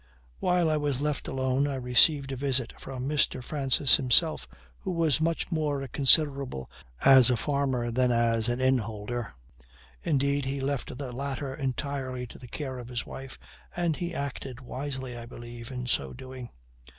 While I was left alone I received a visit from Mr. Francis himself, who was much more considerable as a farmer than as an inn holder. Indeed, he left the latter entirely to the care of his wife, and he acted wisely, I believe, in so doing.